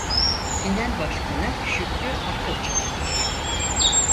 Genel Başkanı Şükrü Akılçağı'dır.